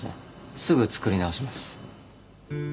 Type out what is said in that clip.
すぐ作り直します。